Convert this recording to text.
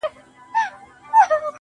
د هر وجود نه راوتلې د روح لاره سوې~